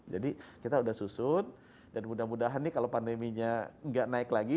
jadi kita sudah susun dan mudah mudahan nih kalau pandeminya tidak naik lagi